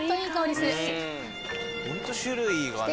ホント種類が多い。